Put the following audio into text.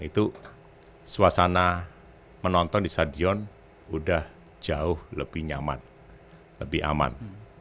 itu suasana menonton di stadion sudah jauh lebih nyaman lebih aman